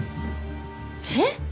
えっ？